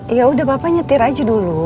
ya udah bapak nyetir aja dulu